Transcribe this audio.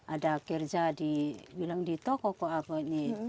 ada kerja di bilang di toko ke apa ini